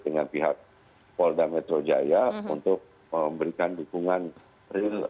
dengan pihak polda metro jaya untuk memberikan dukungan real